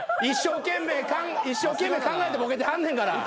一生懸命考えてボケてはんねんから。